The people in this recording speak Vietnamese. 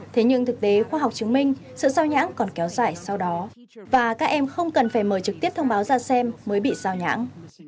thế nhưng thực tế khoa học chứng minh sự sao nhãn còn kéo dài sau đó và các em không cần phải mời trực tiếp thông báo ra xem mới bị sao nhãn